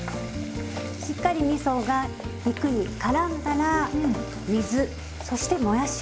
しっかりみそが肉にからんだら水そしてもやしを加えます。